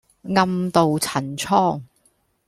暗渡陳倉